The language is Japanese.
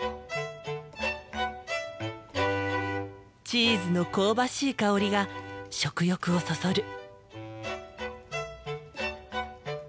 チーズの香ばしい香りが食欲をそそる。